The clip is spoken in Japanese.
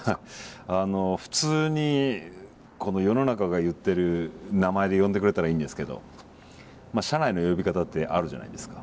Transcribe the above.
普通に世の中が言ってる名前で呼んでくれたらいいんですけど社内の呼び方ってあるじゃないですか。